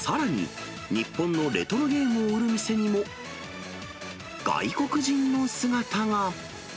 さらに、日本のレトロゲームを売る店にも、外国人の姿が。